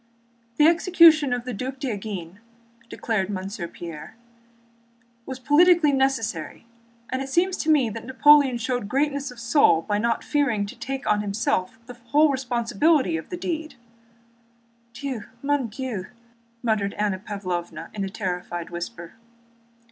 "The execution of the Duc d'Enghien," declared Monsieur Pierre, "was a political necessity, and it seems to me that Napoleon showed greatness of soul by not fearing to take on himself the whole responsibility of that deed." "Dieu! Mon Dieu!" muttered Anna Pávlovna in a terrified whisper.